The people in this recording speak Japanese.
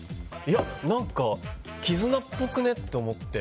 何か、絆っぽくね？って思って。